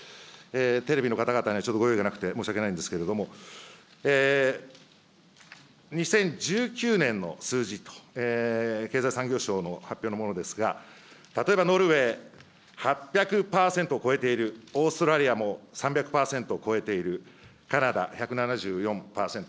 テレビの方々にはちょっとご用意がなくて申し訳ないんですけれども、２０１９年の数字と、経済産業省の発表のものですが、例えばノルウェー、８００％を超えている、オーストラリアも３００％を超えている、カナダ１７４％。